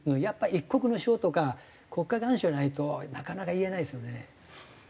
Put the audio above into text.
やっぱり一国の将とか国家元首じゃないとなかなか言えないですよね。